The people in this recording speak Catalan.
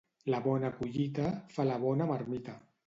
La bona collita fa la bona marmita.